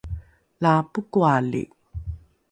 la pokoali?